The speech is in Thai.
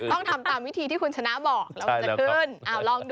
ต้องทำตามวิธีที่คุณชนะบอกแล้วมันจะขึ้น